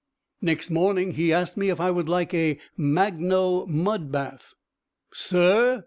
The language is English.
Next morning he asked me if I would like a magno mud bath. "Sir?"